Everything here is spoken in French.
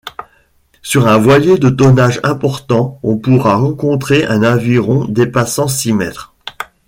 Sur un voilier de tonnage important on pourra rencontrer un aviron dépassant six mètres.